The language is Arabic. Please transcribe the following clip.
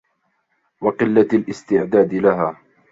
وَقِلَّةِ الِاسْتِعْدَادِ لَهَا